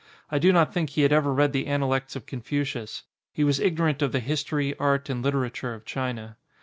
I do not think he had ever read the Analects of Con fucius. He was ignorant of the history, art, and literature of China.